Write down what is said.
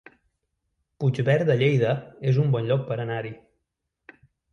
Puigverd de Lleida es un bon lloc per anar-hi